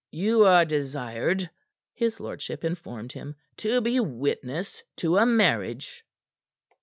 "You are desired," his lordship informed him, "to be witness to a marriage."